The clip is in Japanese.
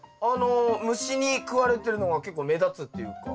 虫に食われてるのが結構目立つっていうか。